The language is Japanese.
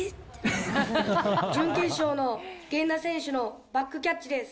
準決勝の源田選手のバックキャッチです。